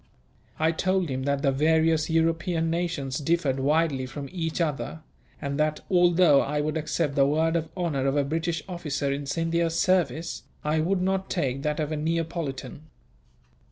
I told him that the various European nations differed widely from each other; and that, although I would accept the word of honour of a British officer in Scindia's service, I would not take that of a Neapolitan.